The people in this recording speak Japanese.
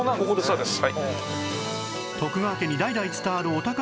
そうです。